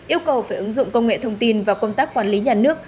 yêu cầu phải ứng dụng công nghệ thông tin và công tác quản lý nhà nước